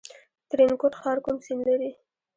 ترینکوټ ښار کوم سیند لري؟